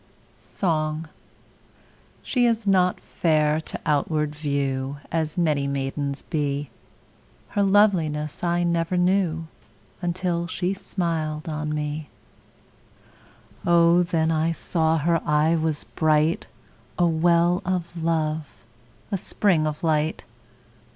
Song SHE is not fair to outward view As many maidens be, Her loveliness I never knew Until she smiled on me; O, then I saw her eye was bright, 5 A well of love, a spring of light!